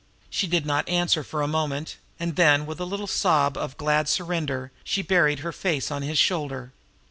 She did not answer for a moment; and then with a little sob of glad surrender she buried her face on his shoulder.